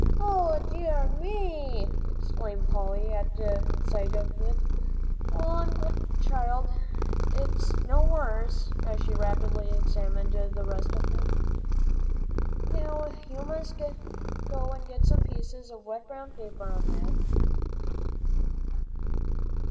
"O dear me!" exclaimed Polly, at sight of it. "Well, I'm glad, child, it's no worse," as she rapidly examined the rest of him. "Now you must have some pieces of wet brown paper on that."